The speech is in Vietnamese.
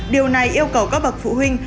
điều này yêu cầu các bậc phụ huynh